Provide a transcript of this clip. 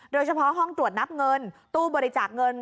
โดยเฉพาะห้องตรวจนับเงินตู้บริจาคเงิน